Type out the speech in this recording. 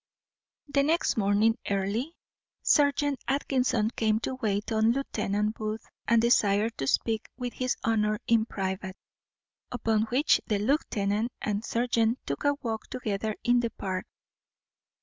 The next morning early, serjeant Atkinson came to wait on lieutenant Booth, and desired to speak with his honour in private. Upon which the lieutenant and serjeant took a walk together in the Park.